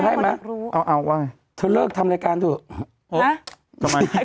ให้ไหมเอาเอาว่าไงเธอเลิกทำรายการถูกฮะทำไมไอ้